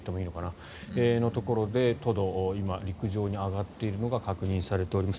そのところでトド、今陸上に上がっているのが確認されています。